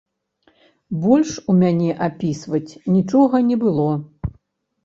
Больш у мяне апісваць нічога не было.